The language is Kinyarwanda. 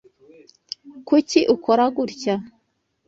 Kuki ukora gutya?